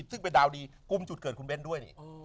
ซึ่งเป็นดาวดีกุมจุดเกิดคุณเบ้นด้วยนี่